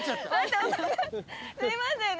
すいません。